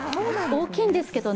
大きいんですけど